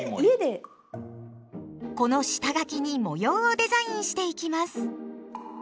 この下書きに模様をデザインしていきます。